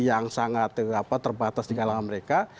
yang sangat terbatas di kalangan mereka